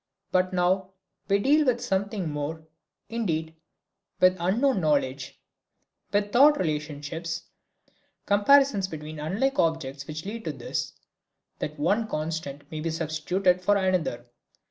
But now we deal with something more; indeed, with unknown knowledge, with thought relationships, comparisons between unlike objects which lead to this, that one constant may be substituted for another.